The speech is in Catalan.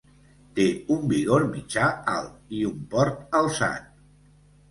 Té un vigor mitjà-alt i un port alçat.